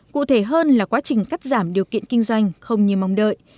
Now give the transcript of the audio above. cụ thể hơn là quá trình cắt giảm điều kiện kinh doanh không như mong đợi